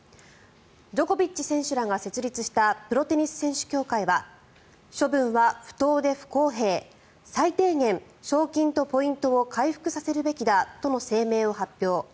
ジョコビッチ選手らが設立したプロテニス選手協会は処分は不当で不公平最低限、賞金とポイントを回復させるべきだとの声明を発表。